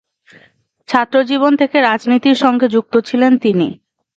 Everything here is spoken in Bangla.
ছাত্রজীবন থেকে রাজনীতির সঙ্গে যুক্ত ছিলেন তিনি।